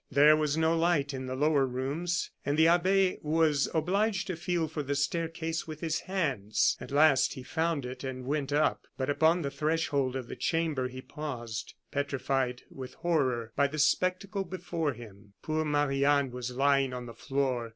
There was no light in the lower rooms, and the abbe was obliged to feel for the staircase with his hands. At last he found it and went up. But upon the threshold of the chamber he paused, petrified with horror by the spectacle before him. Poor Marie Anne was lying on the floor.